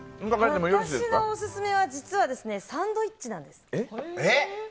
私のオススメは、実はサンドイッチなんです。